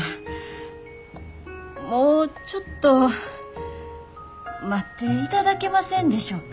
もうちょっと待っていただけませんでしょうか。